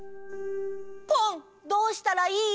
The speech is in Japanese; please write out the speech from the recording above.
ポンどうしたらいい？